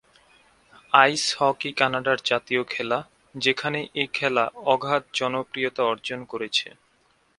আইস hockey কানাডার জাতীয় খেলা, যেখানে এ খেলা অগাধ জনপ্রিয়তা অর্জন করেছে।